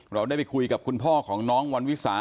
เราได้ไปคุยกับคุณพ่อของน้องวันวิสา